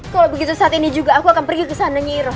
kalau begitu saat ini juga aku akan pergi ke sana nyiro